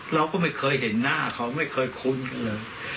เราก็ไม่เคยเห็นหน้าเขาไม่เคยคุ้นกันเลย